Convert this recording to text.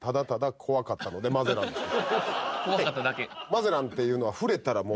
マゼランっていうのは。